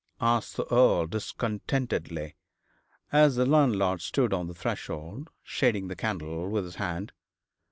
asked the Earl, discontentedly, as the landlord stood on the threshold, shading the candle with his hand.